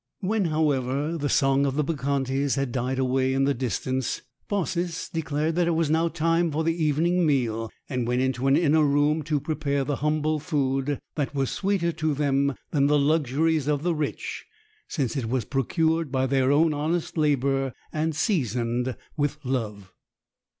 When, however, the song of the Bacchantes had died away in the distance, Baucis declared that it was now time for the evening meal, and went into an inner room to prepare the humble food that was sweeter to them than the luxuries of the rich, since it was procured by their own honest labour, and seasoned with love.